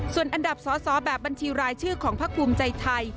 ส่วนอันดับสอสอแบบบัญชีรายชื่อของพักภูมิใจไทย